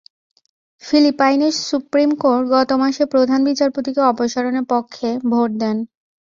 ফিলিপাইনের supreme court গত মাসে প্রধান বিচারপতিকে অপসারণের পক্ষে ভোট দেন।